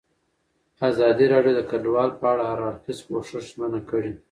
ازادي راډیو د کډوال په اړه د هر اړخیز پوښښ ژمنه کړې.